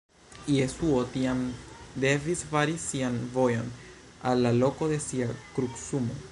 Jesuo tiam devis fari sian vojon al la loko de sia krucumo.